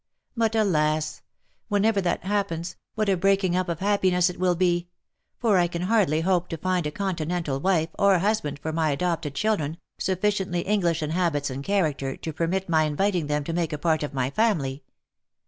But, alas ! whenever that happens, what a breaking up of happiness it will be ! for lean hardly hope to find a continental wife or husband for my adopted children, suffi ciently English in habits and character, to permit my inviting them to make a part of my family.